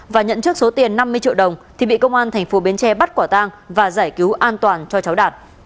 và nhận trước số tiền năm mươi triệu đồng thì bị công an thành phố bến tre bắt quả tang và giải cứu an toàn cho cháu đạt